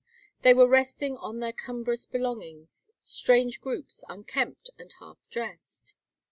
They were resting on their cumbrous belongings, strange groups, unkempt and half dressed.